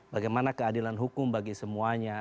bagaimana keadilan hukum bagi semuanya